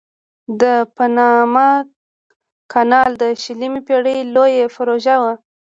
د پاناما کانال د شلمې پیړۍ لویه پروژه وه.